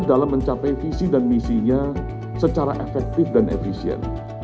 dalam mencapai visi dan misinya secara efektif dan efisien